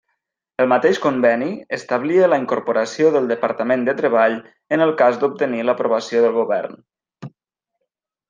El mateix Conveni establia la incorporació del Departament de Treball en el cas d'obtenir l'aprovació del Govern.